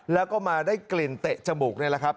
แล้วก็มาได้กลิ่นเตะจมูกนี่แหละครับ